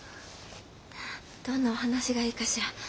どんなお話がいいかしら。